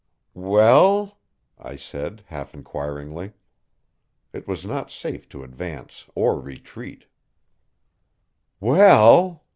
"Well?" I said half inquiringly. It was not safe to advance or retreat. "Well